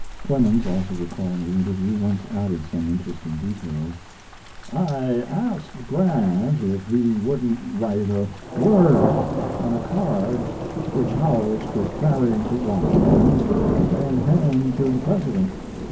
Clemens, also recalling the interview, once added some interesting details: "I asked Grant if he wouldn't write a word on a card which Howells could carry to Washington and hand to the President.